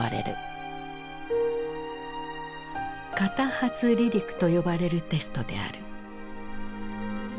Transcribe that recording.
片発離陸と呼ばれるテストである。